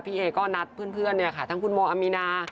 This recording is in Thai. พี่เอ๋ก็นัดเพื่อนค่ะทั้งคุณโมอัมมินา